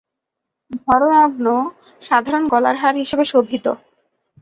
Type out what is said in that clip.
ধড় নগ্ন, সাধারণ গলার হার হিসেবে শোভিত।